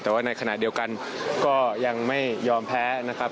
แต่ว่าในขณะเดียวกันก็ยังไม่ยอมแพ้นะครับ